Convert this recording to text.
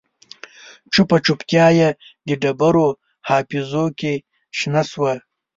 چوپه چوپتیا یې د ډبرو حافظو کې شنه شوه